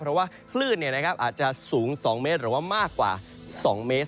เพราะว่าคลื่นอาจจะสูง๒เมตรหรือว่ามากกว่า๒เมตร